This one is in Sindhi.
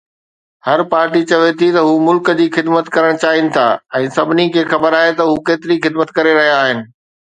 هر پارٽي چوي ٿي ته هو ملڪ جي خدمت ڪرڻ چاهين ٿا ۽ سڀني کي خبر آهي ته هو ڪيتري خدمت ڪري رهيا آهن